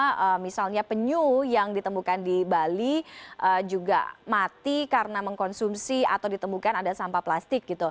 karena misalnya penyu yang ditemukan di bali juga mati karena mengkonsumsi atau ditemukan ada sampah plastik gitu